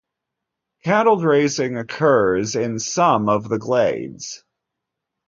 Cattle grazing occurs in some of the glades.